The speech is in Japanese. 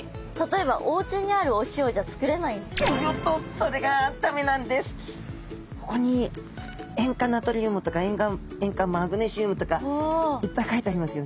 これ例えばここに「塩化ナトリウム」とか「塩化マグネシウム」とかいっぱい書いてありますよね。